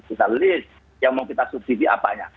kita list yang mau kita subsidi apanya